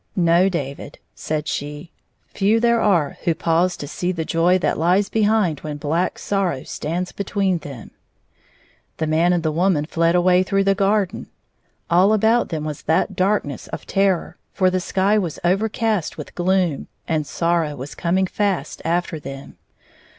"No, David," said she, "few there are who pause to see the 121 joy that lies behind when black sorrow stands between." The man and the woman fled away through the garden. All about them was that darkness of terror, for the sky was overcast with gloom, and Sorrow was coming fast after ttiem.